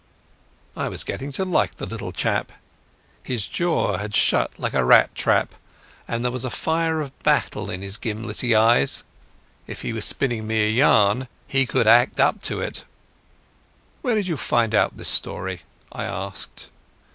I was getting to like the little chap. His jaw had shut like a rat trap, and there was the fire of battle in his gimlety eyes. If he was spinning me a yarn he could act up to it. "Where did you find out this story?" I asked.